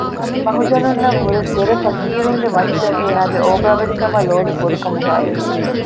މަހުޖަނުންނަށް ވުރެ ދެރަ ފަކީރުންގެ މައްޗަށް އޭނާގެ އޯގާވެރިކަމާއި ލޯބި ބޮޑު ކަމުގައިވެ